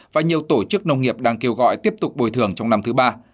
và nhiều tổ chức nông nghiệp đang kêu gọi tiếp tục bồi thường trong năm thứ ba